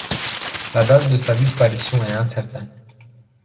La date de sa disparition est incertaine.